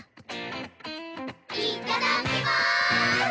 いっただっきます！